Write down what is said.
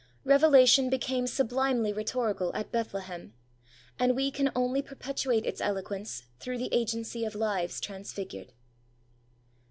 Revelation became sublimely rhetorical at Bethlehem, and we can only perpetuate its eloquence through the agency of lives transfigured.